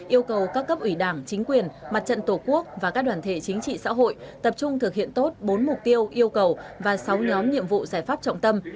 yêu cầu các cấp ủy đảng chính quyền mặt trận tổ quốc và các đoàn thể chính trị xã hội tập trung thực hiện tốt bốn mục tiêu yêu cầu và sáu nhóm nhiệm vụ giải pháp trọng tâm